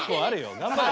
頑張れよ。